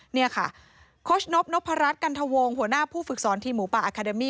นี่ค่ะโคชนพบนพรัชกันทวงหัวหน้าผู้ฝึกสอนทีมหมูป่าอาคาเดมี่